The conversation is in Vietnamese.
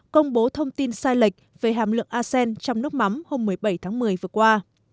công bố thông tin sai lệch về hàm lượng acen trong nước mắm hôm một mươi bảy tháng một mươi vừa qua